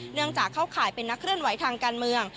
เนื่องจากเข้าข่ายเป็นนักเคลื่อนไหวทางการเมือง